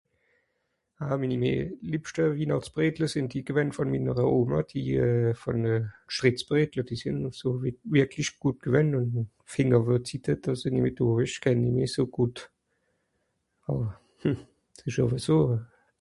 Ah minni lìe... lìebschte Wihnàchtsbredle sìnn die gewänn vùn mìnnere Oma, die euh.. von euh... Sprìtzbredle, die sìnn so... wirklich gùt gewänn, (...) Zitte dàss sie nìmmi do ìsch, ìch kenn mi nìt so gùt. Àwer... mmhh... s'ìsch (...) so.